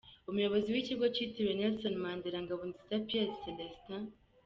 Umuyobozi w’ikigo cyitiriwe Nelson Mandela, Ngabonziza Pierre Célestin.